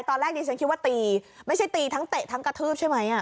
ตอนแรกดิฉันคิดว่าตีไม่ใช่ตีทั้งเตะทั้งกระทืบใช่ไหม